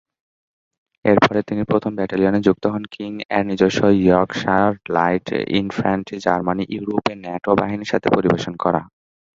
এরপরে তিনি প্রথম ব্যাটালিয়নে যুক্ত হন, কিং এর নিজস্ব ইয়র্কশায়ার লাইট ইনফ্যান্ট্রি, জার্মানি; ইউরোপে ন্যাটো বাহিনীর সাথে পরিবেশন করা।